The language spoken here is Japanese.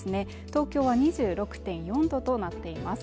東京は２６．４度となっています